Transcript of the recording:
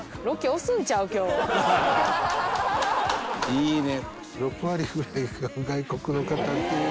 いいね。